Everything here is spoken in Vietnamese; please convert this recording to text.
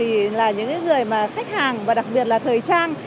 thì là những người mà khách hàng và đặc biệt là thời trang